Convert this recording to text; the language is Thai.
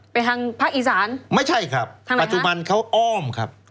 ไปทางภาคอีสานทางไหนครับไม่ใช่ครับปัจจุบันเขาอ้อมครับ